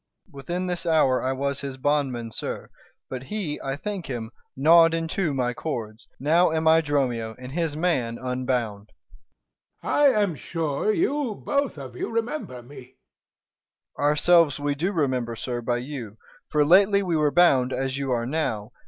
E._ Within this hour I was his bondman, sir, But he, I thank him, gnaw'd in two my cords: Now am I Dromio, and his man unbound. 290 Æge. I am sure you both of you remember me. Dro. E. Ourselves we do remember, sir, by you; For lately we were bound, as you are now.